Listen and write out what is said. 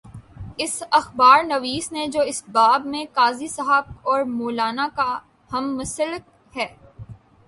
اس اخبار نویس نے جو اس باب میں قاضی صاحب اور مو لانا کا ہم مسلک ہے۔